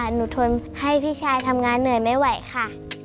ทนให้พี่ชายทำงานเหนื่อยไม่ไหวค่ะ